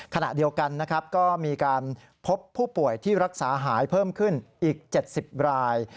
ขณะเดียวกันนะครับก็มีการพบผู้ป่วยที่รักษาหายเพิ่มขึ้นอีก๗๐ราย